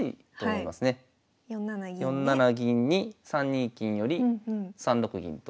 ４七銀に３二金寄３六銀と。